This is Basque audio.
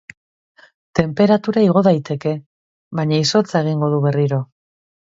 Tenperatura igo daiteke, baina izotza egingo du berriro.